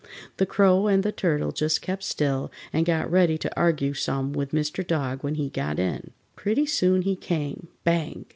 The Crow and the Turtle just kept still and got ready to argue some with Mr. Dog when he got in. Pretty soon he came, bang!